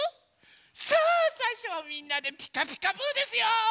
さあさいしょはみんなで「ピカピカブ！」ですよ。